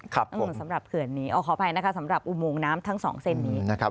ขอขอบใจนะครับสำหรับอุโมงน้ำทั้งสองเส้นนี้